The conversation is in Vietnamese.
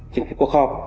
những cuộc họp